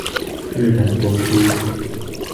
日本播出。